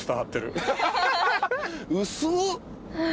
薄っ！